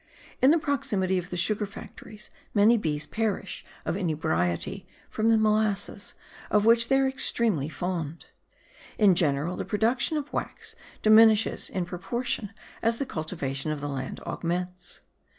In the proximity of the sugar factories many bees perish of inebriety from the molasses, of which they are extremely fond. In general the production of wax diminishes in proportion as the cultivation of the land augments.